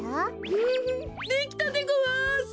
フフフできたでごわす。